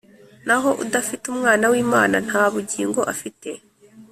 Naho udafite Umwana w'Imana nta bugingo afite."